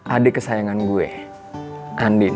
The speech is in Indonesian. adik kesayangan gue andin